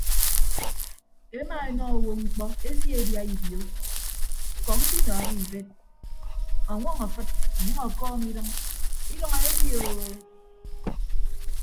Emaenọ owo mkpọ eseedia ibio ñkọ ñkinọọhọ ibed ọñwọñ afịd ọnyʌñ ọkọọm idʌñ idʌñ eedioo.